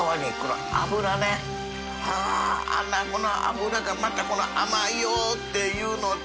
呂あなごの脂がまたこの甘いよっていうのを舛磴